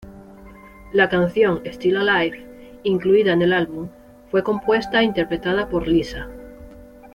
La canción "Still Alive" incluida en el álbum, fue compuesta e interpretada por Lisa.